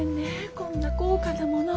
こんな高価なもの。